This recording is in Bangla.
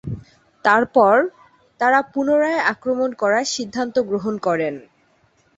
তারপর, তারা পুনরায় আক্রমণ করার সিদ্ধান্ত গ্রহণ করেন।